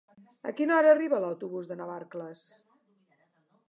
A quina hora arriba l'autobús de Navarcles?